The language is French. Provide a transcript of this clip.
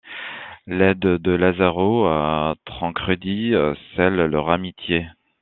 L'aide de Lazzaro à Tancredi scelle leur amitié.